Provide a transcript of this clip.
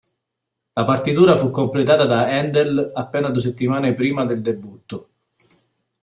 La partitura fu completata da Handel appena due settimane prima del debutto.